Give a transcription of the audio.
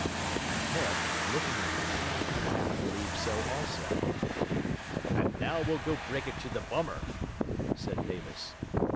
And Herrick, looking at the man, half believed so also. 'And now we'll go break it to the bummer,' said Davis.